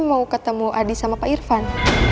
mau ketemu adi sama pak irfan